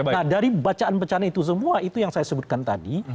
nah dari bacaan bacaan itu semua itu yang saya sebutkan tadi